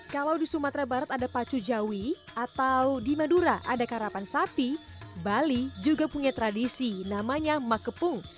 kalau di sumatera barat ada pacu jawi atau di madura ada karapan sapi bali juga punya tradisi namanya makepung